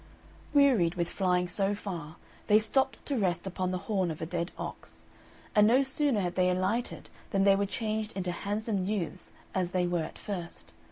Wearied with flying so far, they stopped to rest upon the horn of a dead ox; and no sooner had they alighted than they were changed into handsome youths as they were at first.